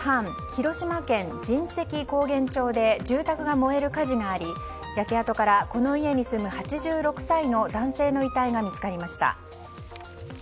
広島県神石高原町で住宅が燃える火事があり焼け跡から、この家に住む８６歳の男性の遺体が見つかりました。